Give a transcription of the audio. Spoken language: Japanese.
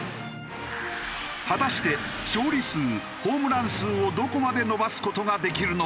果たして勝利数ホームラン数をどこまで伸ばす事ができるのか？